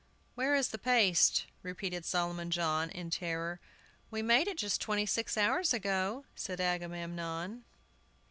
"Where is the paste?" repeated Solomon John, in terror. "We made it just twenty six hours ago," said Agamemnon.